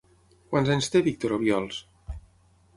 Quants anys té Víctor Obiols?